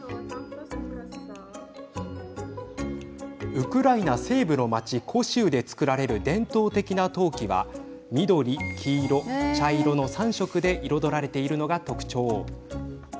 ウクライナ西部の町コシウで作られる伝統的な陶器は緑、黄色、茶色の３色で彩られているのが特徴。